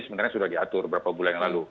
sebenarnya sudah diatur beberapa bulan yang lalu